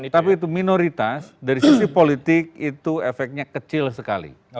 tapi itu minoritas dari sisi politik itu efeknya kecil sekali